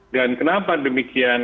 dan kenapa demikian